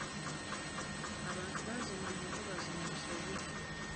Abantu bazimba mu ntobazi mu nsobi.